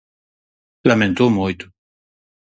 Laméntoo moito.